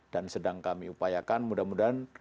dan sedang kami upayakan mudah mudahan